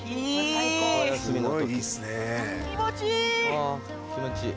あ気持ちいい。